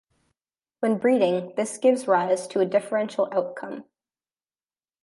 When breeding this gives rise to a differential outcome.